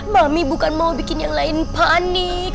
bakmi bukan mau bikin yang lain panik